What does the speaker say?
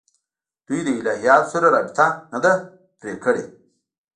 دوی له الهیاتو سره رابطه نه ده پرې کړې.